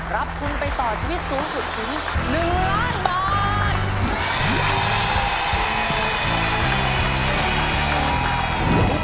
รับทุนไปต่อชีวิตสูงสุดถึง๑ล้านบาท